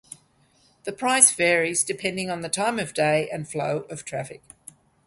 The price varies depending on the time of day and flow of traffic.